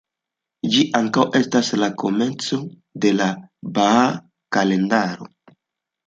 Ĝi ankaŭ estas la komenco de la Bahaa Kalendaro.